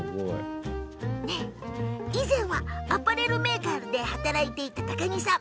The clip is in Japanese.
以前はアパレルメーカーで働いていた高木さん。